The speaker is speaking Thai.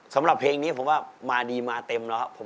สำหรับเพลงนี้ผมว่ามาดีมาเต็มแล้วครับ